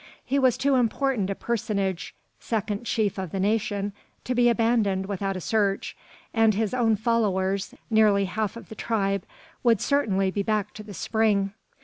He was too important a personage (second chief of the nation) to be abandoned without a search, and his own followers, nearly half of the tribe, would certainly be back to the spring.